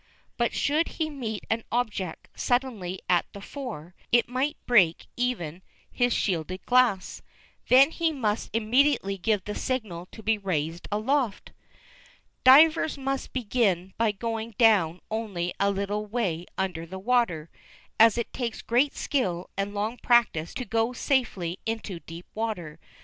But should he meet an object suddenly at the fore, it might break even his shielded glass. Then he must immediately give the signal to be raised aloft. Divers must begin by going down only a little way under the water, as it takes great skill and long practice to be able to go safely into deep water.